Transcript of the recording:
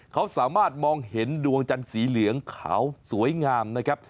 เขาสามารถมองเห็นดวงจันทร์สีเหลืองขาวสวยงามนะครับ